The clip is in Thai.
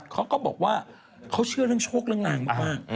เขาก็บอกว่าเขาเชื่อเรื่องโชคเรื่องลางมาก